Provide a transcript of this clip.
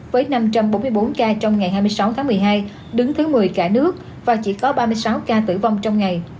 với năm trăm bốn mươi bốn ca trong ngày hai mươi sáu tháng một mươi hai đứng thứ một mươi cả nước và chỉ có ba mươi sáu ca tử vong trong ngày